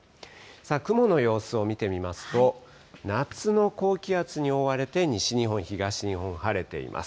雲の様子を見てみますと、夏の高気圧に覆われて、西日本、東日本、晴れています。